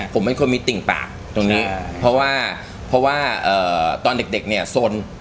ผมเป็นคนมีติ่งปากตรงนี้เพราะว่าเพราะว่าตอนเด็กเนี่ยสน